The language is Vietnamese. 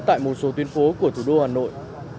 tại một số tuyến phố của thủ đô hà nội